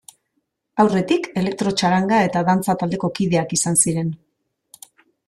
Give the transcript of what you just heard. Aurretik, elektrotxaranga eta dantza taldeko kideak izan ziren.